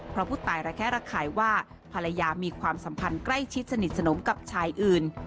เพราะผู้ตายระแคะระคายว่าภรรยามีความสัมพันธ์ใกล้ชิดสนิทสนมกับชายอื่น